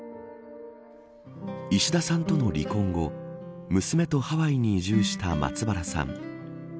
石田さんとの離婚後娘とハワイに移住した松原さん。